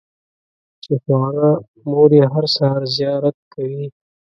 چې خواره مور یې هره سهار زیارت کوي.